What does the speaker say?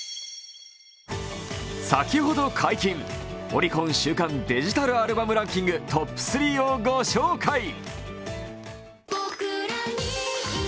先ほど解禁、オリコン週間デジタルアルバムランキングトップ３をご紹介。